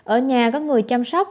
ở nhà có người chăm sóc